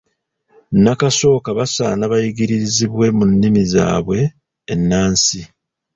Nnakasooka basaana bayigiririzibwe mu nnimi zaabwe ennansi.